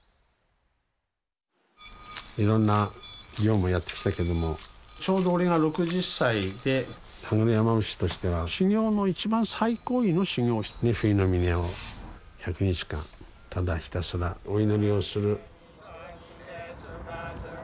いろんな行もやってきたけどもちょうど俺が６０歳で羽黒山伏としては修行の一番最高位の修行冬の峰を１００日間ただひたすらお祈りをする。